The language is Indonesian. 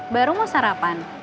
baru mau sarapan